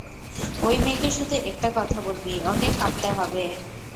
ওই মেয়েকে শুধু একটা কথা বলবি, ওকে কাঁদতে হবে।